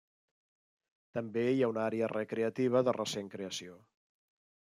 També hi ha una àrea recreativa de recent creació.